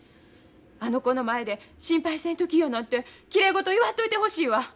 あの子の前で心配せんときやなんてきれい事言わんといてほしいわ。